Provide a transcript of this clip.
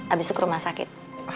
abis itu ke rumah sakit